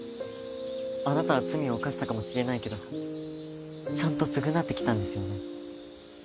あなたは罪を犯したかもしれないけどちゃんと償ってきたんですよね。